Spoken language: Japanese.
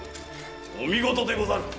お見事でござる。